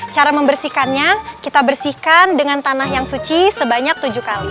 cara membersihkannya kita bersihkan dengan tanah yang suci sebanyak tujuh kali